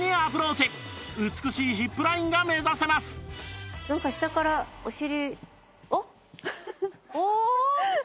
美しいヒップラインが目指せますなんか下からお尻。